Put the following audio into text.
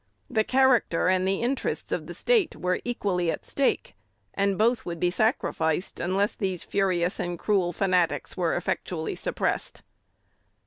The "character" and the "interests" of the State were equally at stake, and both would be sacrificed unless these furious and cruel fanatics were effectually suppressed.